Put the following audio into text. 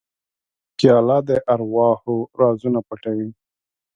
پیاله د ارواحو رازونه پټوي.